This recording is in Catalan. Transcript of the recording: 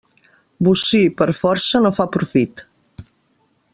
Bocí per força no fa profit.